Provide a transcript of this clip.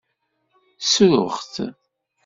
Ssruɣ-t.